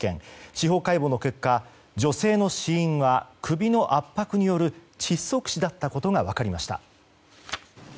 司法解剖の結果、女性の死因は首の圧迫による窒息死だったことが分かりました。